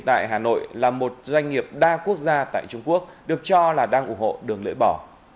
tại hà nội là một doanh nghiệp đa quốc gia tại trung quốc được cho là đang ủng hộ đường lưỡi bỏ